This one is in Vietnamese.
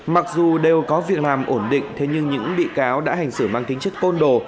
mặc dù đều có việc làm ổn định thế nhưng những bị cáo đã hành xử mang tính chất côn đồ